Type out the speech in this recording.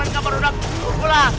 lain kamar udah kukulah